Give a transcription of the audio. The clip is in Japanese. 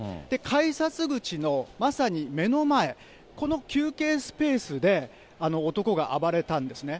改札口のまさに目の前、この休憩スペースで、男が暴れたんですね。